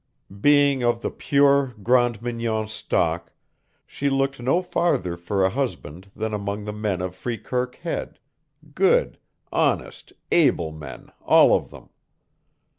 Being of the pure Grande Mignon stock, she looked no farther for a husband than among the men of Freekirk Head, good, honest, able men, all of them.